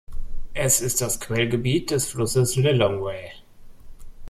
Es ist das Quellgebiet des Flusses Lilongwe.